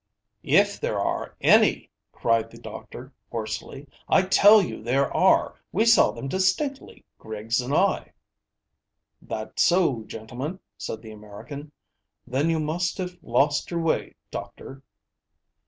"If there are any!" cried the doctor hoarsely. "I tell you there are. We saw them distinctly, Griggs and I." "That's so, gentlemen," said the American. "Then you must have lost your way, doctor."